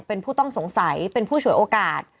เป็นผู้ต้องสงสัยเป็นผู้ฉวยโอกาส